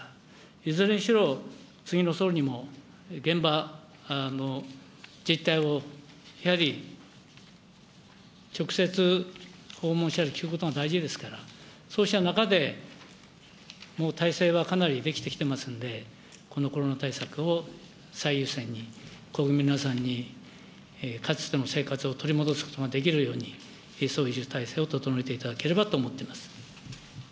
いずれにしろ次の総理にも現場の実態をやはり直接訪問したり聞くことが大事ですから、そうした中でもう体制はかなり出来てきていますので、このコロナ対策を最優先に、国民の皆さんにかつての生活を取り戻すことができるように、そういう体制を整えていただければと思います。